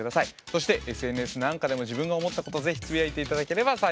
そしてＳＮＳなんかでも自分が思ったことをぜひつぶやいて頂ければ幸いです。